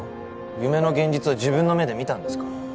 夢の現実を自分の目で見たんですか？